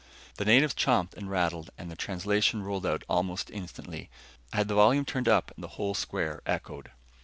The natives chomped and rattled and the translation rolled out almost instantly. I had the volume turned up and the whole square echoed.